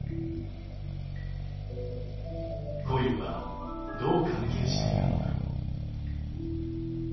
コイルはどう関係しているのだろう？